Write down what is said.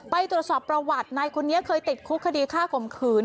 ไปตรวจสอบประวัตินายคนนี้เคยติดคุกคดีฆ่าข่มขืน